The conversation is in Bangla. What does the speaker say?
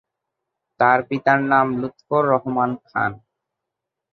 তার পিতার নাম লুৎফর রহমান খান।